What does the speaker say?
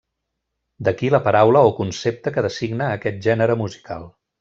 D'aquí la paraula o concepte que designa aquest gènere musical.